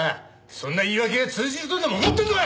そんな言い訳が通じるとでも思ってるのか！